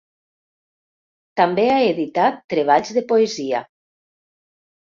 També ha editat treballs de poesia.